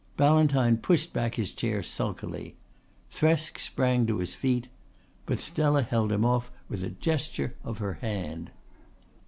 Ballantyne pushed back his chair sulkily. Thresk sprang to his feet. But Stella held him off with a gesture of her hand.